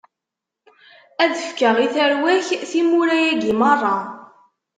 Ad fkeɣ i tarwa-k timura-agi meṛṛa.